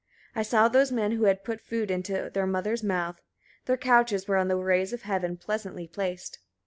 72. I saw those men who had put food into their mothers' mouth: their couches were on the rays of heaven pleasantly placed.